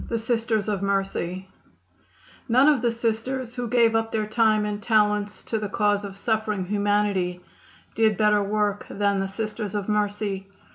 None of the Sisters who gave up their time and talents to the cause of suffering humanity did better work than the Sisters of Mercy.